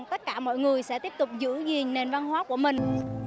dạ mọi người sẽ tiếp tục giữ gìn nền văn hóa của mình